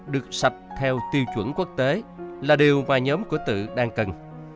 được sạch theo tiêu chuẩn quốc tế là điều và nhóm của tự đang cần